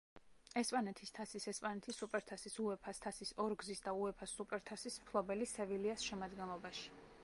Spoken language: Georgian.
ესპანეთის თასის, ესპანეთის სუპერთასის, უეფა-ს თასის ორგზის და უეფა-ს სუპერთასის მფლობელი „სევილიას“ შემადგენლობაში.